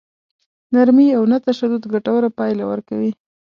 نرمي او نه تشدد ګټوره پايله ورکوي.